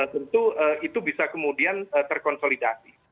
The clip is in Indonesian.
tentu itu bisa kemudian terkonsolidasi